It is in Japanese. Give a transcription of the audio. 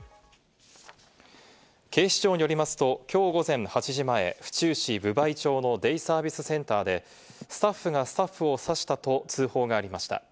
警視庁によりますと、きょう午前８時前、府中市分梅町のデイサービスセンターで、スタッフがスタッフを刺したと通報がありました。